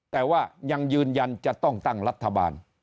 แต่ว่ายังยืนยันจะต้องตั้งรัฐบาล